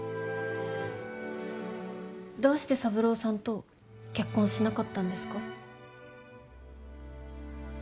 どうして三郎さんと結婚しなかったんですか？